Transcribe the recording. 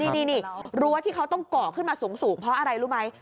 นี่รั้วที่เขาต้องเกาะขึ้นมาสูงเพราะอะไรรู้ไหม